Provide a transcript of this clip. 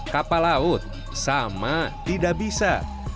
kapal laut sama tidak bisa